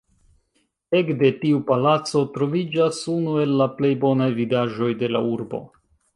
Ekde tiu palaco troviĝas unu el la plej bonaj vidaĵoj de la urbo.